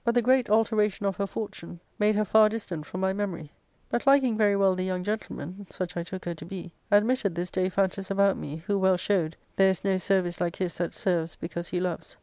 ^Booh IL 207 the great alteration of her fortune made her far distant from my memory ; but, liking very well the young gentleman — such I took her to be — ^admitted this Daiphantus about me, who well showed ther$ is no service like his that serves because he loves.